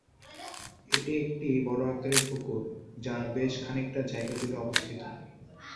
এটি একটি বড়ো আকারের পুকুর যা বেশ খানিকটা জায়গা জুড়ে অবস্থিত।